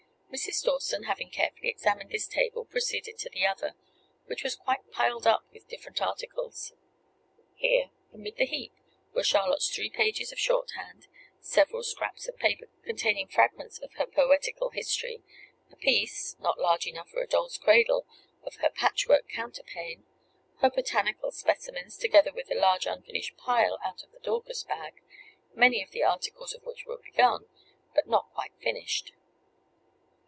Mrs. Dawson, having carefully examined this table, proceeded to the other, which was quite piled up with different articles. Here, amid the heap, were Charlotte's three pages of shorthand; several scraps of paper containing fragments of her poetical history; the piece (not large enough for a doll's cradle) of her patchwork counterpane; her botanical specimens; together with the large unfinished pile out of the Dorcas bag, many of the articles of which were begun, but not one quite finished.